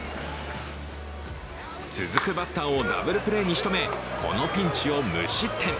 続くバッターをダブルプレーにしとめこのピンチを無失点。